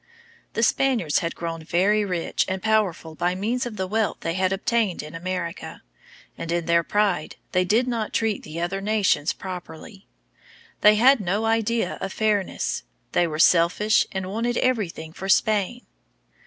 The Spaniards had grown very rich and powerful by means of the wealth they had obtained in America, and in their pride they did not treat the other nations properly. They had no idea of fairness. They were selfish and wanted everything for Spain.